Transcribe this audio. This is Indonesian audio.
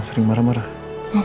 jadi mana rencewa semuanya